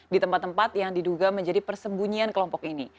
di tempat tempat yang diduga menjadi persembunyian kelompok ini